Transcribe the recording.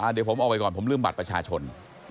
เดี๋ยวผมเอาไว้ก่อนผมลืมบัตรประชาชน